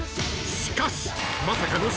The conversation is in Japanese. ［しかしまさかの］